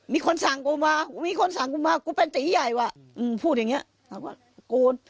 มีคนสั่งกูมากูมีคนสั่งกูมากูเป็นตีใหญ่ว่ะมึงพูดอย่างเงี้ยถามว่ากู